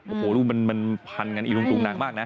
โอ้โฮรู้มันมันพันธุ์งั้นอิลุงหลังมากนะ